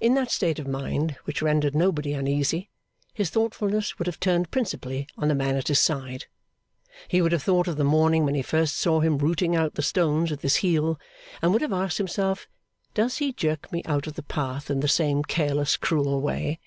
In that state of mind which rendered nobody uneasy, his thoughtfulness would have turned principally on the man at his side. He would have thought of the morning when he first saw him rooting out the stones with his heel, and would have asked himself, 'Does he jerk me out of the path in the same careless, cruel way?